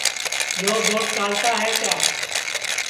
یو بوڈ چالتا ہے کیا